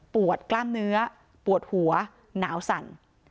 กล้ามเนื้อปวดหัวหนาวสั่น